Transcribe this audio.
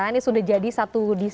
ini sudah jadi satu diskon